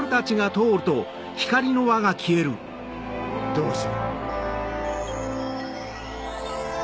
どうする？